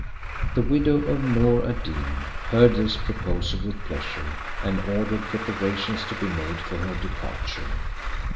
The widow of Noor ad Deen heard this proposal with pleasure, and ordered preparations to be made for her departure.